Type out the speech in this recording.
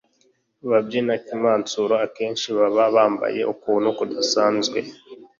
Ababyina “Ikimansuro” akenshi baba bambaye ukuntu kudasanzwe